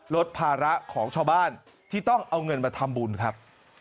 ลดภาระของชาวบ้านที่ต้องเอาเงินมาทำบุญครับ